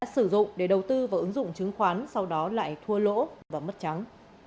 sử dụng để đầu tư vào ứng dụng chứng khoán sau đó lại thua lỗ và mất trắng